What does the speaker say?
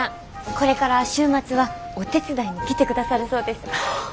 これから週末はお手伝いに来てくださるそうです。